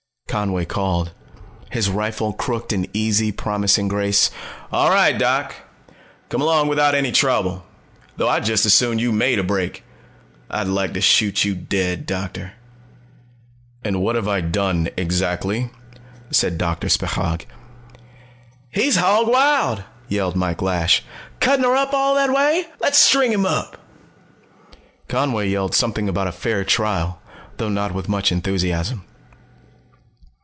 Conway called, his rifle crooked in easy promising grace. "All right, Doc. Come on along without any trouble. Though I'd just as soon you made a break. I'd like to shoot you dead, Doctor." "And what have I done, exactly," said Doctor Spechaug. "He's hog wild," yelled Mike Lash. "Cuttin' her all up that way! Let's string 'em up!" Conway yelled something about a "fair trial," though not with much enthusiasm.